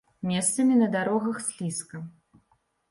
Месцамі на дарогах слізка.